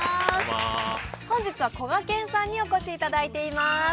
本日は、こがけんさんにお越しいただいています。